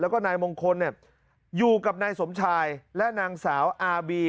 แล้วก็นายมงคลอยู่กับนายสมชายและนางสาวอาบี